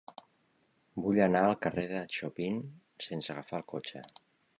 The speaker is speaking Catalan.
Vull anar al carrer de Chopin sense agafar el cotxe.